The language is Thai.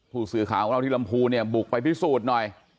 ผู้สื่อข่าวของเราที่ลำพูเนี่ยบุกไปพิสูจน์หน่อย